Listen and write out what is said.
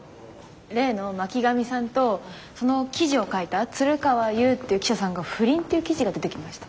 例の巻上さんとその記事を書いた鶴川ゆうっていう記者さんが不倫っていう記事が出てきました。